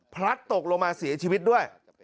พลัดตกลงมาเสียชีวิตด้วย